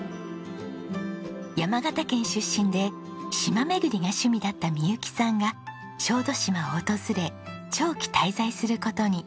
山形県出身で島巡りが趣味だった未佑紀さんが小豆島を訪れ長期滞在する事に。